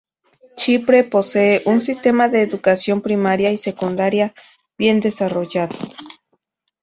Chipre posee un sistema de educación primaria y secundaria bien desarrollado.